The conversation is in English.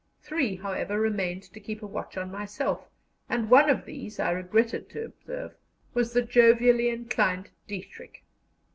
Three, however, remained to keep a watch on myself, and one of these, I regretted to observe, was the jovially inclined Dietrich.